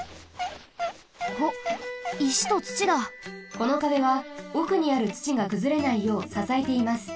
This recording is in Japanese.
このかべはおくにあるつちがくずれないようささえています。